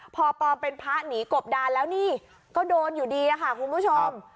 พอปอมเป็นพระหนีกบดานแล้วนี่ก็โดนอยู่ดีค่ะคุณผู้ชม